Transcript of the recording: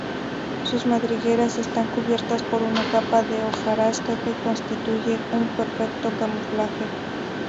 Sus madrigueras están cubiertas por una capa de hojarasca que constituye un perfecto camuflaje.